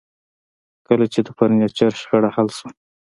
کله چې د فرنیچر شخړه حل شوه